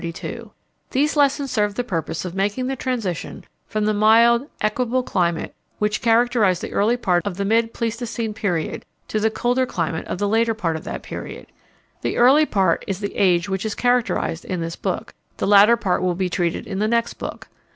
_ These lessons serve the purpose of making the transition from the mild, equable climate which characterized the early part of the mid Pleistocene period to the colder climate of the later part of the period. The early part is the age which is characterized in this book. The later part will be treated in the next book.